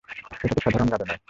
এটা তো সাধারণ জাদু নয়।